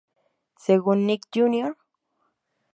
Según Nick Jr.